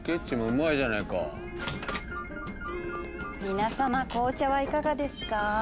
皆さま紅茶はいかがですか。